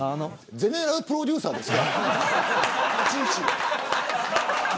ゼネラルプロデューサーですか。